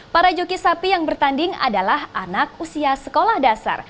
para joki sapi yang bertanding adalah anak usia sekolah dasar